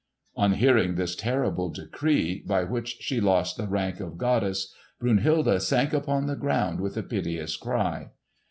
On hearing this terrible decree, by which she lost the rank of goddess, Brunhilde sank upon the ground with a piteous cry.